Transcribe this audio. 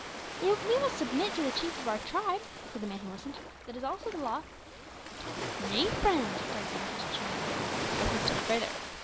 '" "Yet must we submit to the chief of our tribe," said the man who listened, "that is also the law." "Nay, friend," cried Ben Kish triumphantly, "listen still further.